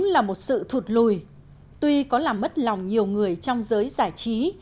lùi tuy có làm mất lòng nhiều người trong giới giải trí